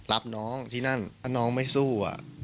รับน้องที่นั่นถ้าน้องไม่สู้